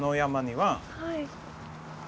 はい。